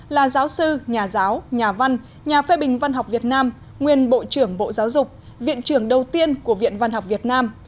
là giáo sư nhà giáo nhà văn nhà phê bình văn học việt nam nguyên bộ trưởng bộ giáo dục viện trưởng đầu tiên của viện văn học việt nam